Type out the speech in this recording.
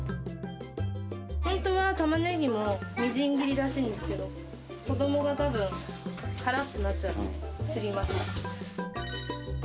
本当はタマネギもみじん切りらしいんですけど、子どもがたぶん、辛ってなっちゃうので、すりました。